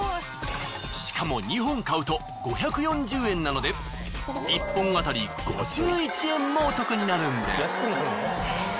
しかも２本買うと５４０円なので１本あたり５１円もお得になるんです。